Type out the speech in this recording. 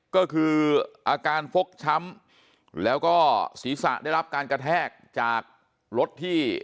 ก็คืออาการฟกช้ำแล้วก็ศีรษะได้รับการกระแทกจากรถที่